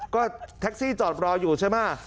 ก็แท็กซี่จอดรออยู่ใช่ไหม